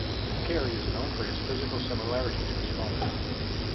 Kerry is known for his physical similarity to his father.